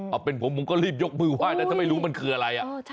เอาเป็นผมผมก็รีบยกมือไห้นะถ้าไม่รู้มันคืออะไร